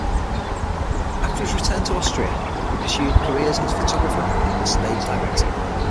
After his return to Austria, he pursued careers as a photographer and stage director.